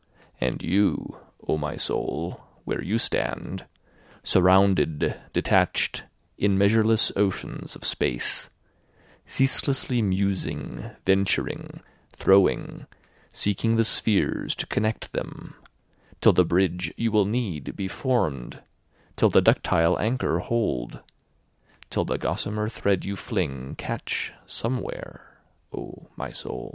And you O my soul where you stand, Surrounded, detached, in measureless oceans of space, Ceaselessly musing, venturing, throwing, seeking the spheres to connect them, Till the bridge you will need be form'd, till the ductile anchor hold, Till the gossamer thread you fling catch somewhere, O my soul.